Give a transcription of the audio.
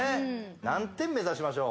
何点目指しましょう？